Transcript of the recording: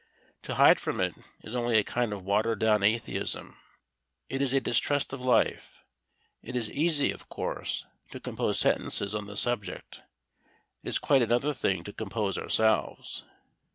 To hide from it is only a kind of watered down atheism. It is a distrust of life. It is easy, of course, to compose sentences on the subject: it is quite another thing to compose ourselves.